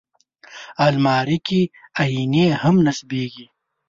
الماري کې آیینې هم نصبېږي